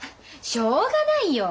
しょうがないよ。